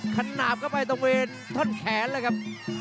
ขนาดเข้าไปตรงบริเวณท่อนแขนเลยครับ